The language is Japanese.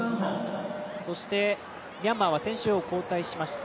そして、ミャンマーは選手を交代しました。